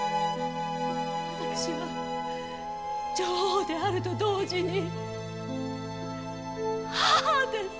私は女王であると同時に母です。